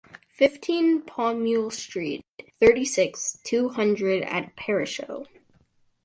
fifteen Paumule Street, thirty-six, two hundred at Pêchereau.